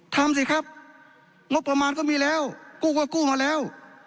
ทำสิครับงบประมาณก็มีแล้วกู้ก็กู้มาแล้ว